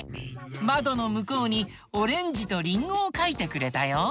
まどのむこうにオレンジとリンゴをかいてくれたよ。